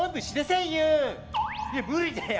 いや無理だよ